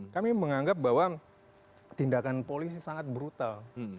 kami menganggap bahwa tindakan polisi sangat brutal